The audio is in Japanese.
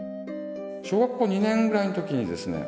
小学校２年ぐらいのときにですね